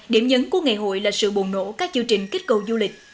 điểm nhấn của ngày hội là sự bồn nổ các chư trình kích cầu du lịch